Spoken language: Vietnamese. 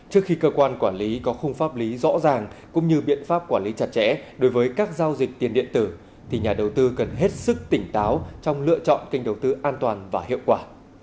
trước khi cơ quan quản lý có khung pháp lý rõ ràng cũng như biện pháp quản lý chặt chẽ đối với các giao dịch tiền điện tử thì nhà đầu tư cần hết sức tỉnh táo trong lựa chọn kênh đầu tư an toàn và hiệu quả